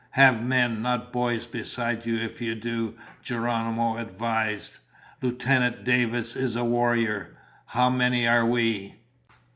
"Have men, not boys, beside you if you do," Geronimo advised. "Lieutenant Davis is a warrior. How many are we?"